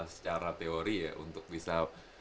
secara teori ya untuk bisa